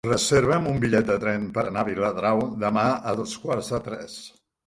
Reserva'm un bitllet de tren per anar a Viladrau demà a dos quarts de tres.